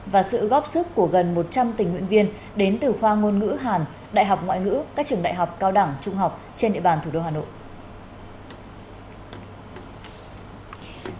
và sự góp sức của gần một trăm linh tình nguyện viên đến từ khoa ngôn ngữ hàn đại học ngoại ngữ các trường đại học cao đẳng trung học trên địa bàn thủ đô hà nội